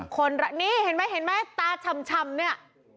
คนนี้เห็นไหมเห็นไหมตาชำเนี่ย